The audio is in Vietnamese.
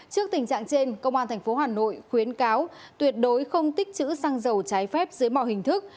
trước tình trạng trên công an tp hà nội khuyến cáo tuyệt đối không tích chữ xăng dầu trái phép dưới mọi hình thức